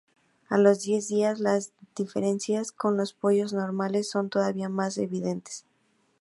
A los diez días las diferencias con los pollos normales son todavía más evidentes.